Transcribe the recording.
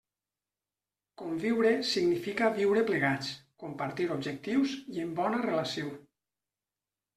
Conviure significa viure plegats, compartir objectius i en bona relació.